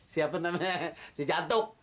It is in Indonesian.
siapa namanya si jantuk